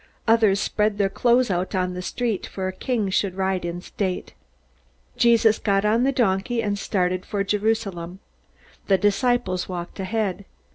Others spread their clothes out on the street, for a king should ride in state. Jesus got on the donkey, and started for Jerusalem. The disciples walked ahead.